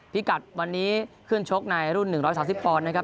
พิกัดวันนี้ขึ้นชกในรุ่น๑๓๐ปอนด์นะครับ